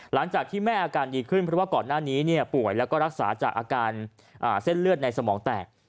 หลังจากที่แม่อาการดีขึ้นเพราะว่าก่อนหน้านี้ป่วยแล้วก็รักษาจากอาการเส้นเลือดในสมองแตก